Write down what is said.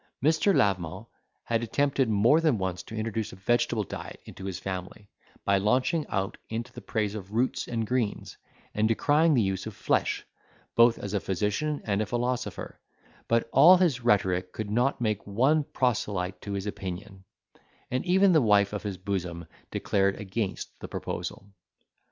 Mr. Lavement had attempted more than once to introduce a vegetable diet into his family, by launching out into the praise of roots and greens, and decrying the use of flesh, both as a physician and philosopher; but all his rhetoric could not make one proselyte to his opinion, and even the wife of his bosom declared against the proposal.